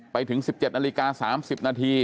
ไปถึง๑๗นาฬิกา๓๐นาที